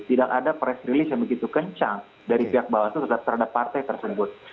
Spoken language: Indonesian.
tidak ada press release yang begitu kencang dari pihak bawaslu terhadap partai tersebut